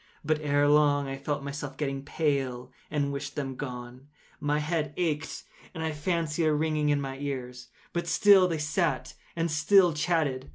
But, ere long, I felt myself getting pale and wished them gone. My head ached, and I fancied a ringing in my ears: but still they sat and still chatted.